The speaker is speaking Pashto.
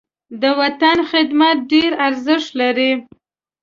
د وطن خدمت ډېر ارزښت لري.